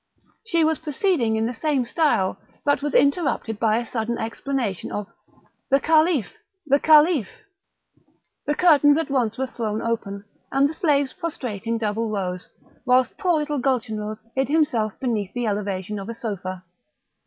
She was proceeding in the same style, but was interrupted by a sudden exclamation of "The Caliph! The Caliph!" The curtains at once were thrown open, and the slaves prostrate in double rows, whilst poor little Gulchenrouz hid himself beneath the elevation of a sofa.